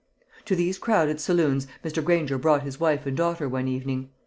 To these crowded saloons Mr. Granger brought his wife and daughter one evening.